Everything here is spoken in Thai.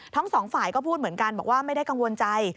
ทั้งสองฝ่ายก็พูดเหมือนกันบอกว่าไม่ได้กังวลใจ